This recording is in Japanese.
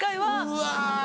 うわ。